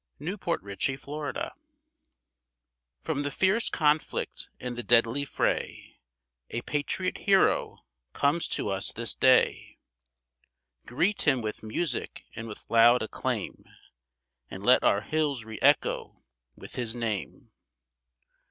FROM BATON ROUGE From the fierce conflict and the deadly fray A patriot hero comes to us this day. Greet him with music and with loud acclaim, And let our hills re echo with his name.